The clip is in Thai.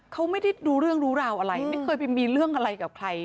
เขาไม่ได้รู้เรื่องรู้ราวอะไรไม่เคยไปมีเรื่องอะไรกับใคร